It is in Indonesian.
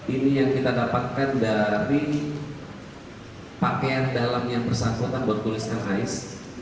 ini yang kita dapatkan dari pakaian dalam yang bersangkutan bertuliskan as